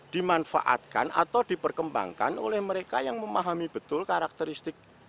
dimanfaatkan atau diperkembangkan oleh mereka yang memahami betul karakteristik